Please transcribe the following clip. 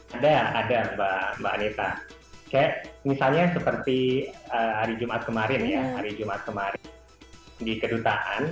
ada ada mbak mbak anita kayak misalnya seperti hari jumat kemarin ya hari jumat kemarin di kedutaan